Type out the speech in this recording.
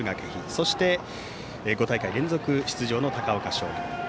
そして、５大会連続出場の高岡商業。